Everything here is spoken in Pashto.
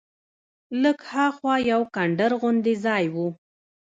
لږ ها خوا یو کنډر غوندې ځای و.